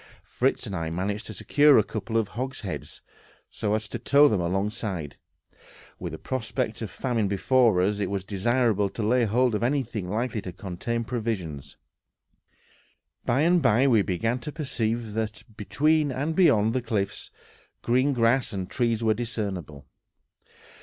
Fritz and I managed to secure a couple of hogsheads, so as to tow them alongside. With the prospect of famine before us, it was desirable to lay hold of anything likely to contain provisions. By and by we began to perceive that, between and beyond the cliffs, green grass and trees were discernible.